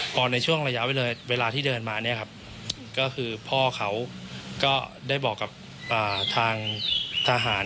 พอในช่วงระยะเวลาที่เดินมาเนี่ยครับก็คือพ่อเขาก็ได้บอกกับทางทหาร